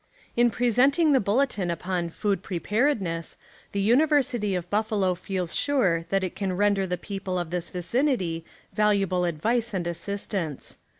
In presenting the bulletin upon "Food Pre paredness" the University of Buffalo feels sure that it can render the people of this vicinity valuable advice and assistance.